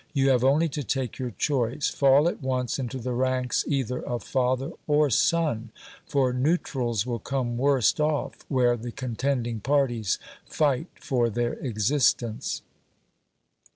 You have only to take your choice : fall at once into the ranks either of father or son ; for neutrals will come worst off, where the contending parties fight for their existence.